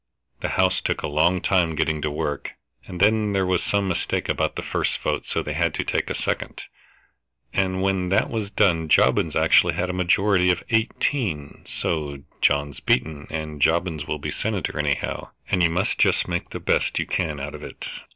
The House took a long time getting to work, and then there was some mistake about the first vote, so they had to take a second. And when that was done Jobbins actually had a majority of eighteen. So John's beaten, and Jobbins will be senator anyhow, and you must just make the best you can out of it."